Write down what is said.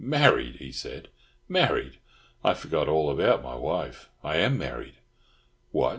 "Married!" he said. "Married! I forgot all about my wife. I am married!" "What!"